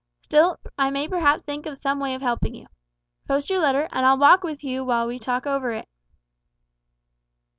Still, I may perhaps think of some way of helping you. Post your letter, and I'll walk with you while we talk over it."